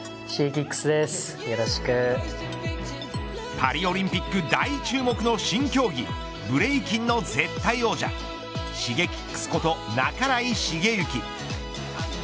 パリオリンピック大注目の新競技ブレイキンの絶対王者Ｓｈｉｇｅｋｉｘこと半井重幸。